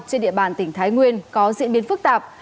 trên địa bàn tỉnh thái nguyên có diễn biến phức tạp